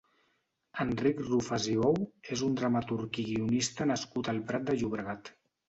Enric Rufas i Bou és un dramaturg i guionista nascut al Prat de Llobregat.